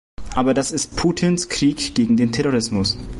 Aber das ist Putins Krieg gegen den Terrorismus.